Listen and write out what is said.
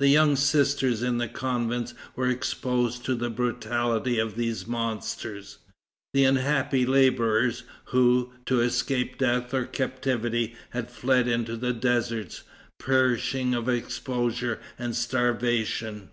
The young sisters in the convents were exposed to the brutality of these monsters. The unhappy laborers, who, to escape death or captivity, had fled into the deserts, perished of exposure and starvation.